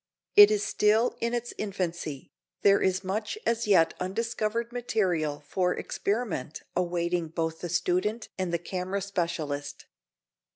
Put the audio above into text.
It is still in its infancy, there is much as yet undiscovered material for experiment awaiting both the student and the camera specialist.